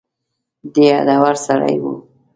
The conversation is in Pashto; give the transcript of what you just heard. دی هډور سړی و.